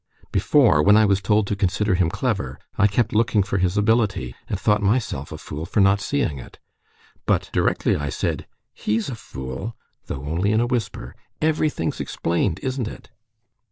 Before, when I was told to consider him clever, I kept looking for his ability, and thought myself a fool for not seeing it; but directly I said, he's a fool, though only in a whisper, everything's explained, isn't it?"